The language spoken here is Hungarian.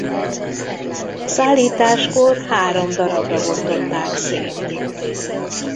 Szállításkor három darabra bontották szét.